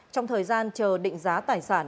trong thời gian chờ định giá tài sản